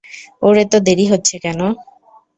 ওর এত দেরী হচ্ছে কেন?